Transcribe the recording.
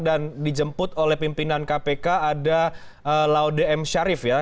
dan dijemput oleh pimpinan kpk ada laude m syarif ya